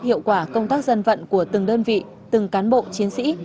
hiệu quả công tác dân vận của từng đơn vị từng cán bộ chiến sĩ